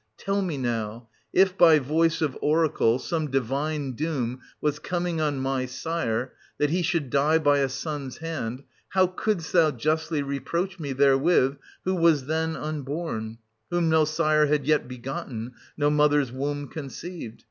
Tell me, now, — if, by voice of oracle, some divine doom was coming 9J0 on my sire, that he should die by a son's hand, how couldst thou justly reproach me therewith, who was then unborn, — whom no sire had yet begotten, no mother's womb conceived